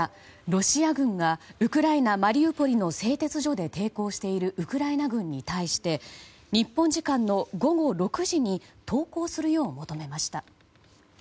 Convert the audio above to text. ロシア軍がウクライナマリウポリの製鉄所で抵抗しているウクライナ軍に対して日本時間の午後６時に投降するよう求めました。